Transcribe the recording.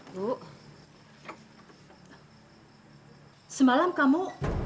bu semalam kamu